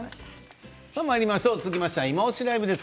続いては「いまオシ！ＬＩＶＥ」です。